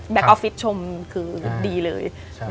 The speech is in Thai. ออฟฟิศชมคือดีเลย